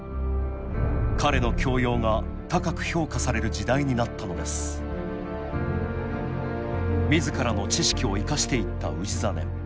彼の教養が高く評価される時代になったのです自らの知識を生かしていった氏真。